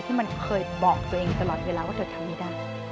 ที่มันเคยบอกตัวเองตลอดเวลาว่าเธอทำไม่ได้